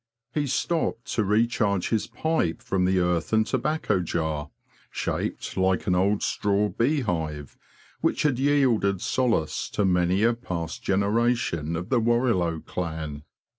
" He stopped to recharge his pipe from the earthen tobacco jar, shaped like an old straw bee hive, which had yielded solace to many a past generation of the Warrilow clan.